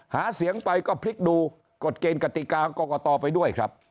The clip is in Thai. หาเสียงไปก็พลิกดูกฎเกณฑ์กติกากรกตไปด้วยครับ